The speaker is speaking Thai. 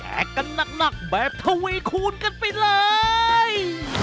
แอกกันนักแบบทะเวคูณกันไปเลย